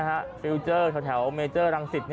หัวหลักหัวหลัก